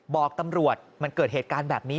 บอกตำรวจมันเกิดเหตุการณ์แบบนี้